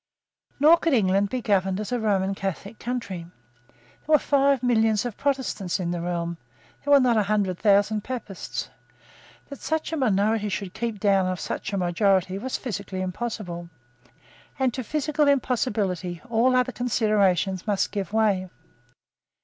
Nor could England be governed as a Roman Catholic country. There were five millions of Protestants in the realm: there were not a hundred thousand Papists: that such a minority should keep down such a majority was physically impossible; and to physical impossibility all other considerations must give way.